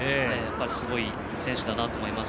すごい選手だなと思います。